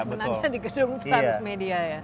sebenarnya di gedung transmedia ya